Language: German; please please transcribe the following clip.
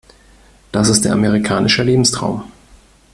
Das ist der amerikanische Lebenstraum.